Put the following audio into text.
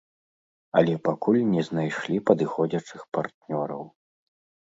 Але пакуль не знайшлі падыходзячых партнёраў.